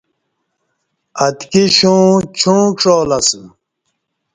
آتکی شوں چوݩع کݜالہ اسہ